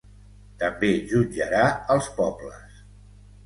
També jutjarà als pobles.